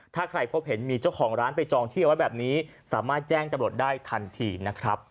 ถ้าใครพบเห็นมีเจ้าของร้านไปจองที่เอาไว้แบบนี้สามารถแจ้งจำรวจได้ทันทีนะครับ